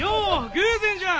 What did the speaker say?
偶然じゃん！